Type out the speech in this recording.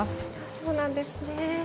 そうなんですね。